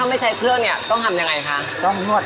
อาลนวทนวทนวท